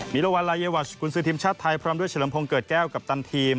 รวรรณรายวัชกุญศือทีมชาติไทยพร้อมด้วยเฉลิมพงศ์เกิดแก้วกัปตันทีม